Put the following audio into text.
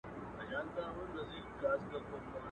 o لوړ ځاى نه و، کښته زه نه کښېنستم.